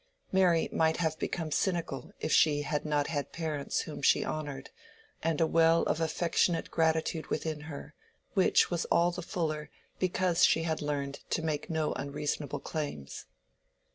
Mary might have become cynical if she had not had parents whom she honored, and a well of affectionate gratitude within her, which was all the fuller because she had learned to make no unreasonable claims.